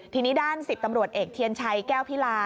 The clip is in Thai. ทีนี้ด้าน๑๐ตำรวจเอกเทียนชัยแก้วพิลา